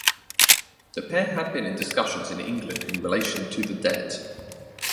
The pair had been in discussions in England in relation to the debt.